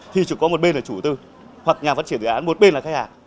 thì chỉ có một bên là chủ tư hoặc nhà phát triển dự án một bên là khách hàng